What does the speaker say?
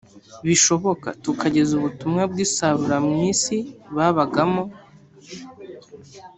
bishoboka, tukageza ubutumwa bw’isarura mu isi babagamo